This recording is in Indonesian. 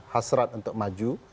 hasrat untuk maju